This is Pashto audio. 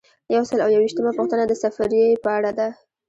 یو سل او یو ویشتمه پوښتنه د سفریې په اړه ده.